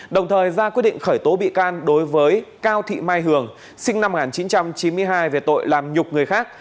đồng thời ra quyết định khởi tố bị can đối với cao thị mai hường sinh năm một nghìn chín trăm chín mươi hai về tội làm nhục người khác